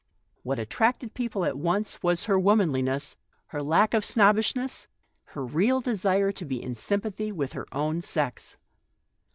What attracted people at once was her in tense womanliness, her utter absence of snob bery, her real desire to be in sympathy with her own sex.